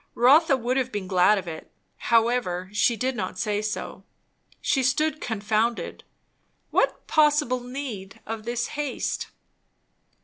Rotha would have been glad of it; however, she did not say so. She stood confounded. What possible need of this haste?